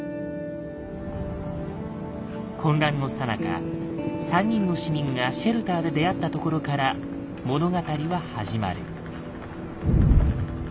混乱のさなか３人の市民がシェルターで出会ったところから物語は始まる。